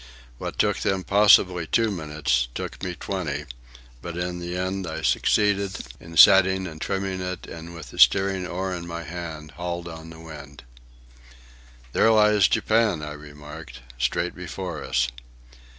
What took them possibly two minutes took me twenty, but in the end I succeeded in setting and trimming it, and with the steering oar in my hands hauled on the wind. "There lies Japan," I remarked, "straight before us."